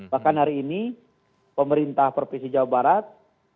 bahkan hari ini pemerintah provinsi jawa barat